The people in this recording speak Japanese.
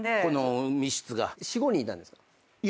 ４５人いたんですか？